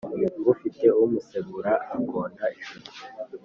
Ufite umusegura agonda ijosi.